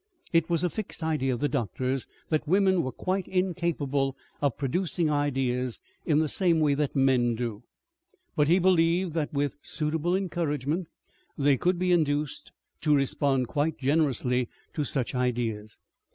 It was a fixed idea of the doctor's that women were quite incapable of producing ideas in the same way that men do, but he believed that with suitable encouragement they could be induced to respond quite generously to such ideas.